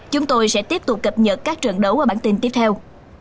chúng tôi sẽ tiếp tục cập nhật các trận đấu ở bản tin tiếp theo